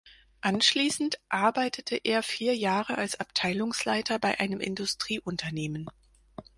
Anschließend arbeitete er vier Jahre als Abteilungsleiter bei einem Industrieunternehmen.